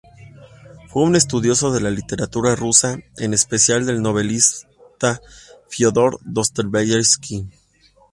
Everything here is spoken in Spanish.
Fue un estudioso de la literatura rusa, en especial del novelista Fiódor Dostoyevski.